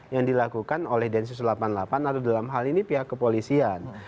yang dilakukan oleh densus delapan puluh delapan atau dalam hal ini pihak kepolisian